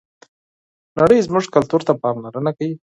نړۍ زموږ کلتور ته پاملرنه کوي.